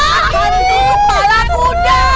hantu kepala kuda